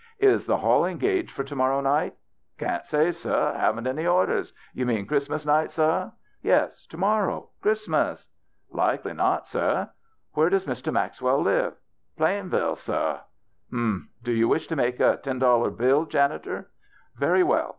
"Is the hall engaged for to morrow night ?"" Can't say, seh. Haven't any orders. You mean Christmas night, seh ?"" Yes, to morrow, Christmas." " Likely not, seh." " Where does Mr. Maxwell live ?"" Plain ville, seh." "Humph! Do you wish to make a ten dollar bill, janitor ? Very well.